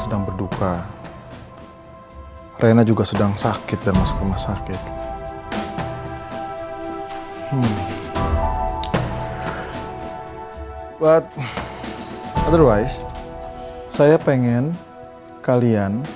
sedang berduka rena juga sedang sakit dan masuk rumah sakit otherwise saya pengen kalian